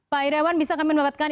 pak iryawan bisa kami mendapatkan